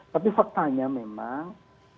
tapi faktanya memang